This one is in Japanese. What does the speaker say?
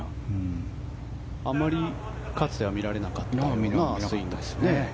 あまりかつては見られなかったですね。